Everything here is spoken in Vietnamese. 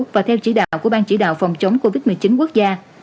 và theo chỉ đạo của ban chỉ đạo phòng chống covid một mươi chín quốc gia